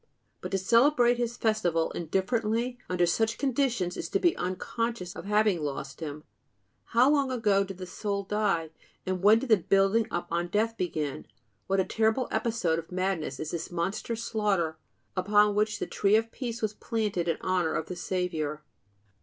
But to celebrate His festival indifferently under such conditions is to be unconscious of having lost Him. How long ago did the soul die, and when did the building up on death begin? What a terrible episode of madness is this monstrous slaughter, upon which the tree of peace was planted in honor of the Savior!